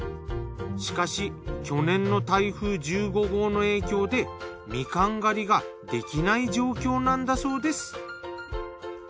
しかし去年の台風１５号の影響でみかん狩りが出来ない状況なんだそうです。